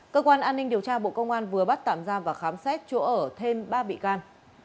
cơ quan an ninh điều tra bộ công an vừa bắt tạm ra và khám xét chỗ ở thêm ba bị can